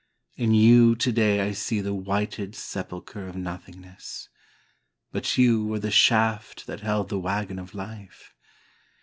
In you today I see the whited sepulchre of nothingness — but you were the shaft that held the wagon of Life.